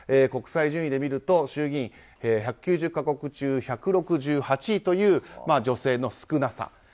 国際順位で見ますと、衆議院１９０か国中１６８位という女性の少なさ。